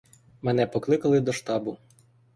Мене покликали до штабу.